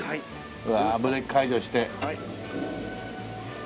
うわあブレーキ解除して。